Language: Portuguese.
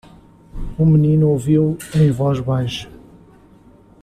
O menino ouviu em voz baixa.